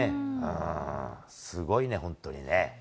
すごいね、本当にね。